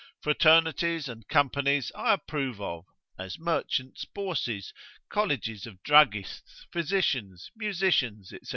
Fraternities and companies, I approve of, as merchants' bourses, colleges of druggists, physicians, musicians, &c.